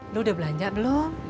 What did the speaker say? lo udah belanja belum